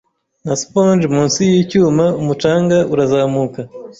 Nka sponge munsi yicyuma umucanga urazamuka